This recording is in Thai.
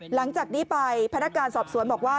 หลังจากนี้ไปพนักการสอบสวนบอกว่า